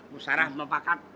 musarah mau paham